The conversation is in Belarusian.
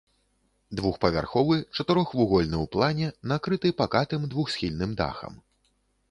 Двухпавярховы, чатырохвугольны ў плане, накрыты пакатым двухсхільным дахам.